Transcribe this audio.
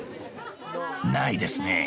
ないですね。